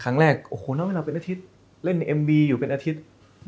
เขาบอกโอ้โหน้องเวลาเป็นอาทิตย์เล่นเอ็มวีอยู่เป็นอาทิตย์